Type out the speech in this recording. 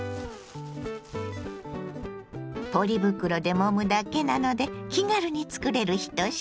ポリ袋でもむだけなので気軽につくれる一品。